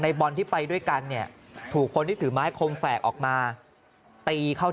บอลที่ไปด้วยกันเนี่ยถูกคนที่ถือไม้คมแฝกออกมาตีเข้า